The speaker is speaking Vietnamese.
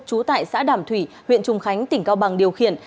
trú tại xã đảm thủy huyện trùng khánh tỉnh cao bằng điều khiển